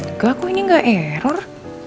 enggak kok ini gak error